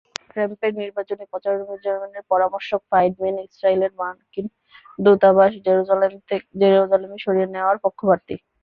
ট্রাম্পের নির্বাচনী প্রচারাভিযানের পরামর্শক ফ্রাইডম্যান ইসরায়েলের মার্কিন দূতাবাস জেরুজালেমে সরিয়ে নেওয়ার পক্ষপাতী।